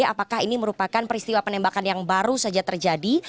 apakah ini merupakan peristiwa penembakan yang baru saja terjadi